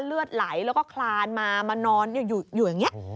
เลือดไหลแล้วก็คลานมามานอนอยู่อย่างนี้